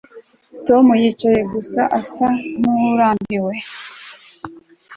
Tom yicaye gusa asa nkurambiwe